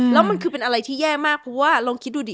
แล้วมันคือเป็นอะไรที่แย่มากเพราะว่าลองคิดดูดิ